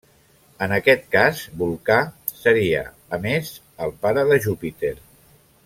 En aquest cas Vulcà seria, a més, el pare de Júpiter.